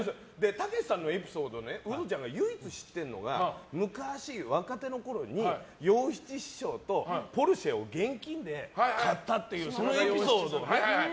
たけしさんのエピソードをウドちゃんが唯一知ってるのが昔、若手のころに洋七師匠とポルシェを現金で買ったっていうそのエピソードをね